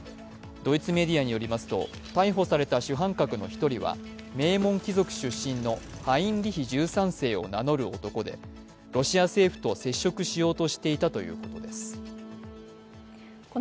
ドイツメディアによりますと逮捕された主犯格の１人は名門貴族出身のハインリヒ１３世を名乗る男でロシア政府と接触しようとしていたということです。